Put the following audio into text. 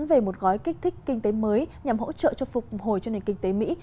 về một gói kích thích kinh tế mới nhằm hỗ trợ cho phục hồi cho nền kinh tế mỹ